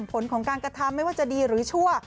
ผลของการกระทำไม่ว่าจะดีหรือชั่ว